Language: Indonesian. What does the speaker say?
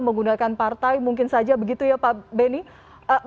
menggunakan partai mungkin saja begitu ya pak benny